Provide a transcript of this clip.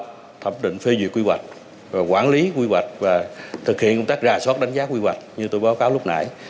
là thẩm định phê duyệt quy hoạch quản lý quy hoạch và thực hiện công tác ra soát đánh giá quy hoạch như tôi báo cáo lúc nãy